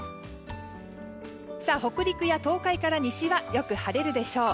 北陸や東海から西はよく晴れるでしょう。